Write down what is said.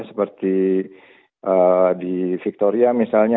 seperti di victoria misalnya